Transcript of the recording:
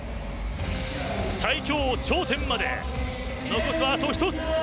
最強頂点まで、残すはあと１つ。